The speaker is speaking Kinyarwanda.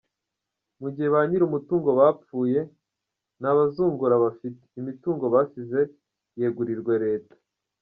Mu gihe ba nyir’imitungo bapfuye nta bazungura bafite, imitungo basize yegurirwa Leta.